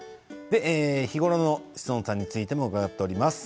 日頃の志尊さんについても伺っています。